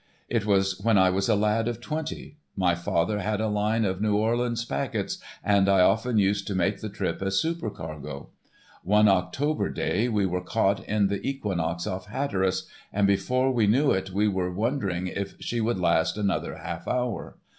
It was when I was a lad of twenty. My father had a line of New Orleans packets and I often used to make the trip as super cargo. One October day we were caught in the equinox off Hatteras, and before we knew it we were wondering if she would last another half hour.